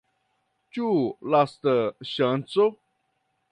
Ĉu lasta ŝanco?